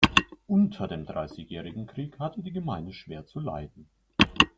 Unter dem Dreißigjährigen Krieg hatte die Gemeinde schwer zu leiden.